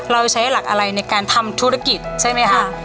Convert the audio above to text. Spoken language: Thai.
เราใช้หลักอะไรในการทำธุรกิจใช่ไหมคะ